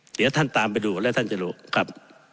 เดี๋ยวท่านตามไปดูแล้วท่านจะรู้ครับ